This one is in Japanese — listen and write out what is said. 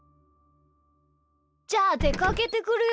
じゃあでかけてくるよ。